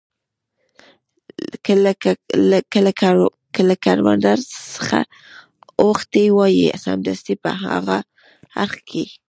که له کروندو څخه ور اوښتي وای، سمدستي په هاغه اړخ کې.